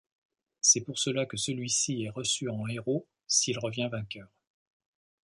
C'est pour cela que celui-ci est reçu en héros s'il revient vainqueur.